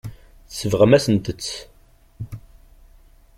Tsebɣem-asent-tt.